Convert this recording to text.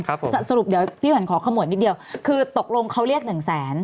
สรุปเดี๋ยวพี่ขวัญขอขมวดนิดเดียวคือตกลงเขาเรียกหนึ่งแสน